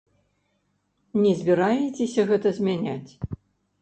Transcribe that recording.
Не збіраецеся гэта змяняць?